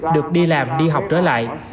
được đi làm đi học trở lại